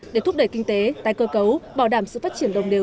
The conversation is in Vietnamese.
để thúc đẩy kinh tế tái cơ cấu bảo đảm sự phát triển đồng đều